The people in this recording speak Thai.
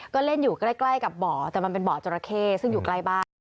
ก็เล่นอยู่ใกล้กับบ่อแต่มันเป็นบ่อจราเข้ซึ่งอยู่ใกล้บ้าน